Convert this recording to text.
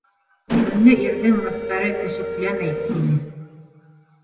-Йүнле ирҙең Мөхтәре көсөкләмәй, - тине.